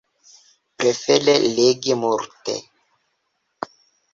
Prefere legi multe.